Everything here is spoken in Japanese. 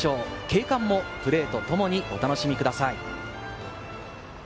景観もプレーとともにお楽しみください。